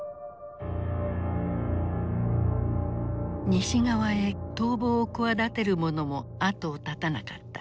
西側へ逃亡を企てる者も後を絶たなかった。